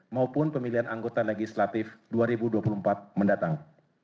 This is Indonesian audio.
maupun pemilihan anggota legislatif dua ribu dua puluh empat mendatang